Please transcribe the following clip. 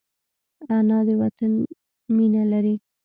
انا د وطن مینه لري